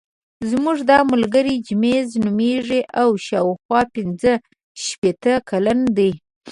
زموږ دا ملګری جیمز نومېږي او شاوخوا پنځه شپېته کلن دی.